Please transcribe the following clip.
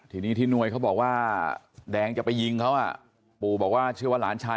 ทีนี้ที่หน่วยเขาบอกว่าแดงจะไปยิงเขาอ่ะปู่บอกว่าเชื่อว่าหลานชาย